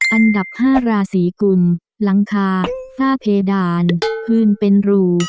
อันดับ๕ราศีกุลหลังคาฝ้าเพดานพื้นเป็นรู